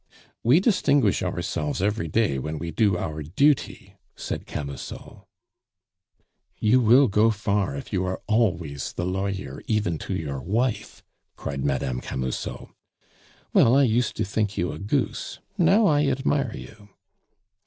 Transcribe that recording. "We distinguish ourselves every day when we do our duty," said Camusot. "You will go far if you are always the lawyer even to your wife," cried Madame Camusot. "Well, I used to think you a goose. Now I admire you."